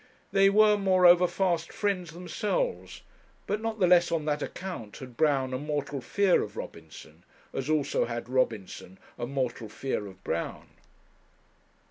They were, moreover, fast friends themselves; but not the less on that account had Brown a mortal fear of Robinson, as also had Robinson a mortal fear of Brown.